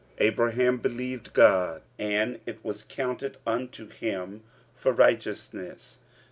Abraham believed God, and it was counted unto him for righteousness.